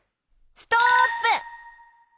ストップ！